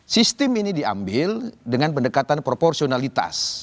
sistem ini diambil dengan pendekatan proporsionalitas